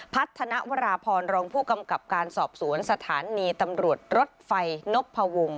พัฒนาวราพรรองผู้กำกับการสอบสวนสถานีตำรวจรถไฟนพวง